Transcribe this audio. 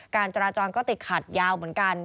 การจราจรก็ติดขัดยาวเหมือนกัน